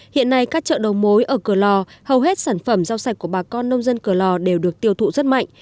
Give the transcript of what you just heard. hiện nay các chợ đầu mối ở cửa lò hầu hết sản phẩm rau sạch của bà con nông dân cửa lò đều được tiêu thụ rất mạnh